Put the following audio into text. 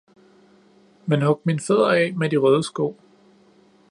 Men hug mine fødder af med de røde sko